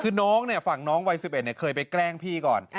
คือน้องเนี่ยฝั่งน้องวัยสิบเอ็ดเนี่ยเคยไปแกล้งพี่ก่อน